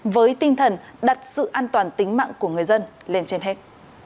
với tinh thần đặt sự an toàn tính mạng của người dân lên trên hết